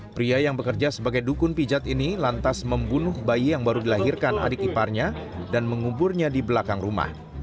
pria yang bekerja sebagai dukun pijat ini lantas membunuh bayi yang baru dilahirkan adik iparnya dan menguburnya di belakang rumah